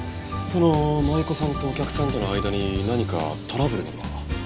その舞子さんとお客さんとの間に何かトラブルなどは？